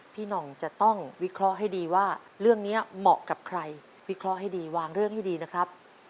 หน่องจะต้องวิเคราะห์ให้ดีว่าเรื่องนี้เหมาะกับใครวิเคราะห์ให้ดีวางเรื่องให้ดีนะครับ